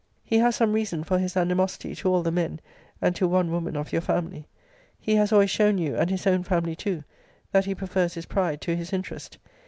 He has some reason for his animosity to all the men, and to one woman of your family. He has always shown you, and his own family too, that he prefers his pride to his interest.